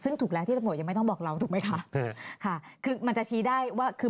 ซึ่งถูกแล้วที่ตำรวจยังไม่ต้องบอกเราถูกไหมคะ